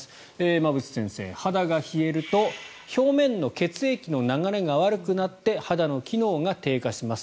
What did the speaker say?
馬渕先生、肌が冷えると表面の血液の流れが悪くなって肌の機能が低下します。